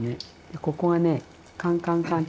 でここはねカンカンカン